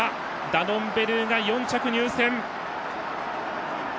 ダノンベルーガ４着入線。